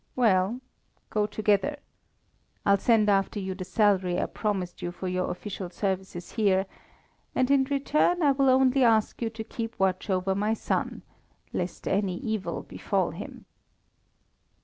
Well, go together. I'll send after you the salary I promised you for your official services here, and in return I will only ask you to keep watch over my son, lest any evil befall him."